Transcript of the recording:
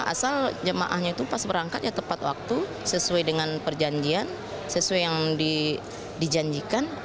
asal jemaahnya itu pas berangkat ya tepat waktu sesuai dengan perjanjian sesuai yang dijanjikan